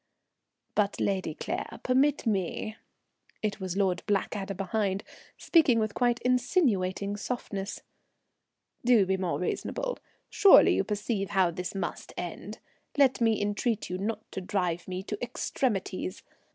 "But, Lady Claire, permit me," it was Lord Blackadder behind, speaking with quite insinuating softness. "Do be more reasonable. Surely you perceive how this must end? Let me entreat you not to drive me to extremities.